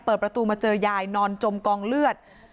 เปิดประตูมาเจอยายนอนจมกองเลือด